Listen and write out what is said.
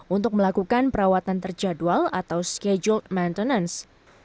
untuk melakukan perawatan terjadwal atau schedule maintenance